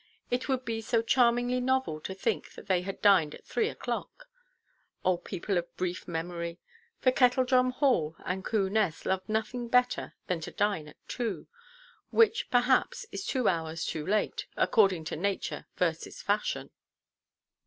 It would be so charmingly novel to think that they had dined at three oʼclock! Oh, people of brief memory! For Kettledrum Hall and Coo Nest loved nothing better than to dine at two; which, perhaps, is two hours too late, according to nature versus fashion.